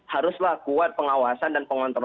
dan haruslah kuat pengawasan dan pengontrolan